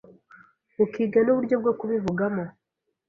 ukiga n’uburyo bwo kubivugamo